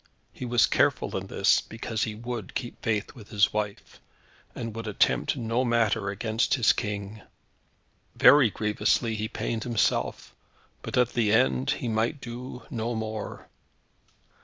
He was careful in this, because he would keep faith with his wife, and would attempt no matter against his King. Very grievously he pained himself, but at the end he might do no more.